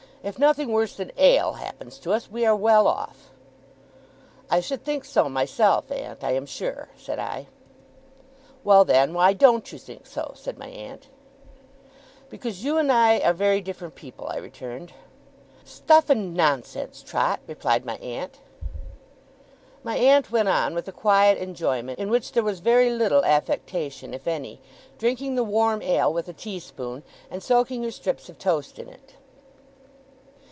If nothing worse than Ale happens to us, we are well off.' 'I should think so myself, aunt, I am sure,' said I. 'Well, then, why DON'T you think so?' said my aunt. 'Because you and I are very different people,' I returned. 'Stuff and nonsense, Trot!' replied my aunt. My aunt went on with a quiet enjoyment, in which there was very little affectation, if any; drinking the warm ale with a tea spoon, and soaking her strips of toast in it.